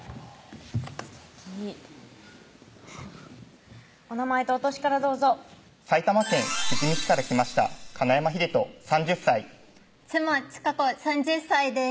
すてきお名前とお歳からどうぞ埼玉県富士見市から来ました金山秀人３０歳妻・智佳子３０歳です